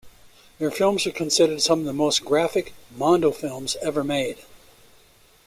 Their films are considered some of the most graphic Mondo films ever made.